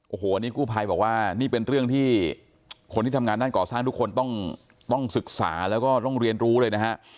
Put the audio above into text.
โอ้โหอันนี้กู้ภัยบอกว่านี่เป็นเรื่องที่คนที่ทำงานด้านก่อสร้างทุกคนต้องศึกษาแล้วก็ต้องเรียนรู้เลยนะฮะ